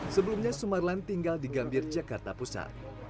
sebelumnya sumarlan tinggal di gambir jakarta pusat